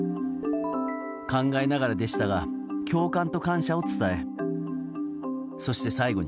考えながらでしたが共感と感謝を伝えそして、最後に。